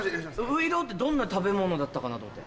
ういろうってどんな食べ物だったかなと思って。